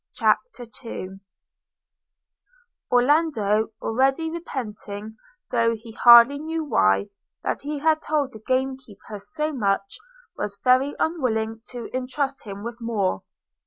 CHAPTER II ORLANDO, already repenting, though he hardly knew why, that he had told the game keeper so much, was very unwilling to entrust him with more.